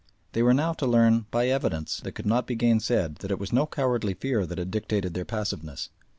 They were now to learn by evidence that could not be gainsaid that it was no cowardly fear that had dictated their passiveness.